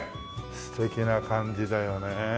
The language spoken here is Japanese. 素敵な感じだよね。